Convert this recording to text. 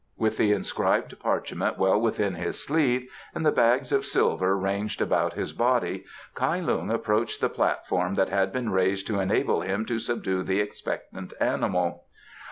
With the inscribed parchment well within his sleeve and the bags of silver ranged about his body, Kai Lung approached the platform that had been raised to enable him to subdue the expectant animal.